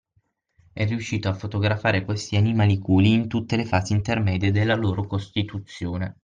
È riuscito a fotografare questi animaliculi in tutte le fasi intermedie della loro costituzione.